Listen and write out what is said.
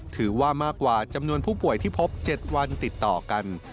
ถือว่ามากกว่าจำนวนผู้ป่วยที่พบ๗วันติดต่อกัน